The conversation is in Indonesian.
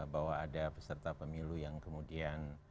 bahwa ada peserta pemilu yang kemudian